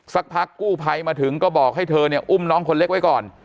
สักพักกู้ภัยมาถึงก็บอกให้เธอเนี่ยอุ้มน้องคนเล็กไว้ก่อน